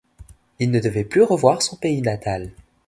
Il ne devait plus revoir son pays natal.